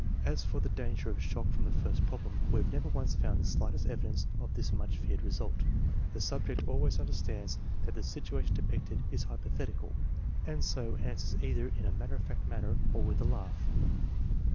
As for the danger of shock from the first problem, we have never once found the slightest evidence of this much feared result. The subject always understands that the situation depicted is hypothetical, and so answers either in a matter of fact manner or with a laugh.